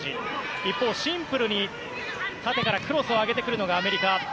一方、シンプルに縦からクロスを上げてくるのがアメリカ。